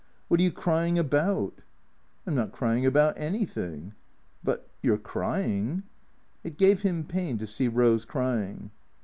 "What are you crying about?" " I 'm not cryin' about anything." " But — you 're crying." It gave him pain to see Rose crying.